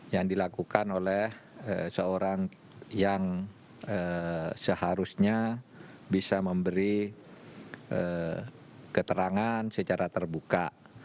yang dilakukan oleh seorang yang seharusnya bisa memberi keterangan secara terbuka